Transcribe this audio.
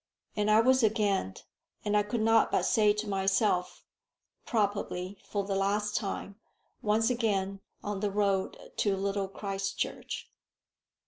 And I was again, and I could not but say to myself, probably for the last time, once again on the road to Little Christchurch.